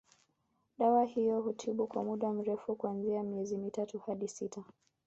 Dawa hiyo hutibu kwa muda mrefu kuanzia miezi mitatu hadi sita